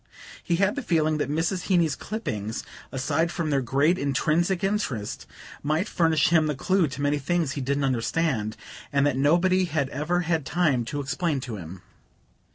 He had the feeling that Mrs. Heeny's clippings, aside from their great intrinsic interest, might furnish him the clue to many things he didn't understand, and that nobody had ever had time to explain to him.